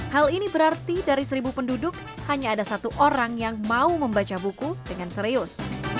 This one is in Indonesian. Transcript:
hal ini berarti dari seribu penduduk hanya ada satu orang yang mau membaca buku dengan serius